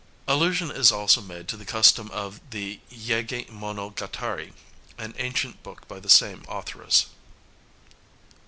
Allusion is also made to the custom in the "Yeiga mono gatari," an ancient book by the same authoress.